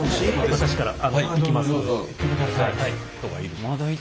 私から行きますので。